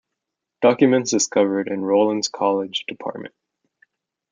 Documents discovered in Rollins College Dept.